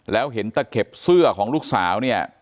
แล้วเห็นตะเข็บเสื้อของลูกสาวเนี่ย